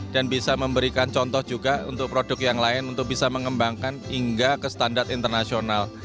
dan bisa memberikan contoh juga untuk produk yang lain untuk bisa mengembangkan hingga ke standar internasional